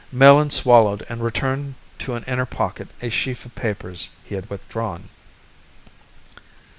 Melin swallowed and returned to an inner pocket a sheaf of papers he had withdrawn.